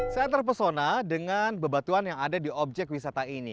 saya terpesona dengan bebatuan yang ada di objek wisata ini